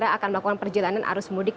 yang akan melakukan perjalanan arus mudik